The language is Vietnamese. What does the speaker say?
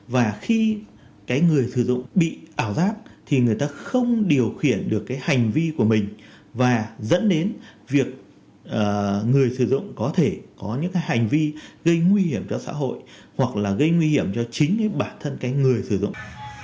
và khi cái người sử dụng bị ảo giác thì người ta không điều khiển được cái hành vi của mình và dẫn đến việc người sử dụng có thể có những cái hành vi gây nguy hiểm cho xã hội hoặc là gây nguy hiểm cho chính bản thân cái người sử dụng